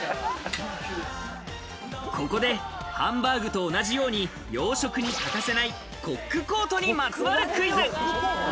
ここでハンバーグと同じように、洋食に欠かせないコックコートにまつわるクイズ。